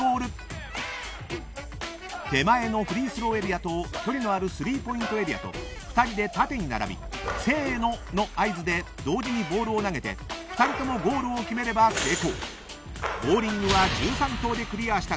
［手前のフリースローエリアと距離のあるスリーポイントエリアと２人で縦に並び「せーの！」の合図で同時にボールを投げて２人ともゴールを決めれば成功］